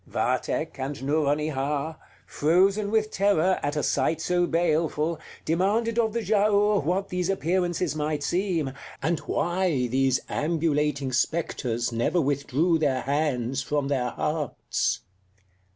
Vathek and Nouronihar, frozen with terror at a sight so baleful, demanded of the Giaour what these appearances might seem, and why these ambulating spectres never withdrew their hands from their hearts.